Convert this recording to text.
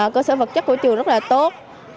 cơ sở vật chất của trường rất là tốt